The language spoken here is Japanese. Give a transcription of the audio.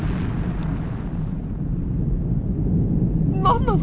何なの？